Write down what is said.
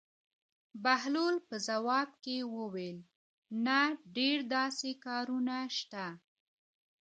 بهلول په ځواب کې وویل: نه ډېر داسې کارونه شته.